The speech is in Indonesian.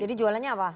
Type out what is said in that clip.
jadi jualannya apa